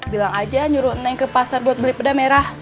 bilang aja nyuruh naik ke pasar buat beli peda merah